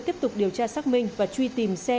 tiếp tục điều tra xác minh và truy tìm xe